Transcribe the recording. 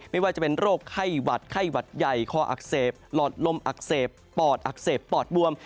ไม่ว่าจะเป็นโรคไข้หวัดไข้หวัดใหญ่คออักเสบหลอดลมอักเสบปอดอักเสบปอดบวม